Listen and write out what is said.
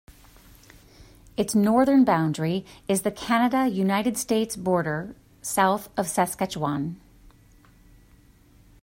Its northern boundary is the Canada-United States border south of Saskatchewan.